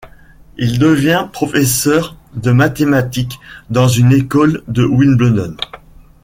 Il devient professeur de mathématiques dans une école de Wimbledon.